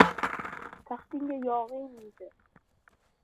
Taxtingga yog‘iy minsa